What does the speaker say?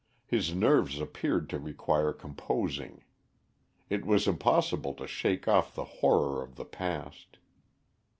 His nerves appeared to require composing. It was impossible to shake off the horror of the past.